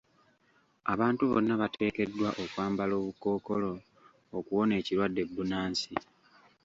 Abantu bonna bateekeddwa okwambala obukkookolo okuwona ekirwadde bbunansi.